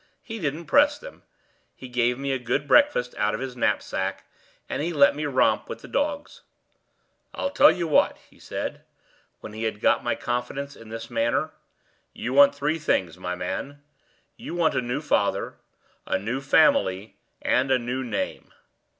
He didn't press them; he gave me a good breakfast out of his knapsack, and he let me romp with the dogs. 'I'll tell you what,' he said, when he had got my confidence in this manner, 'you want three things, my man: you want a new father, a new family, and a new name.